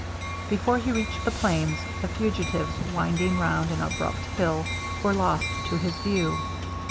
Before he reached the plains, the fugitives, winding round an abrupt hill, were lost to his view.